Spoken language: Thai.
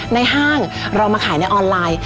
ห้างเรามาขายในออนไลน์